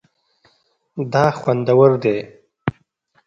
دا خوندور دی